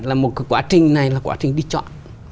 là một cái quá trình này là quá trình đi chọn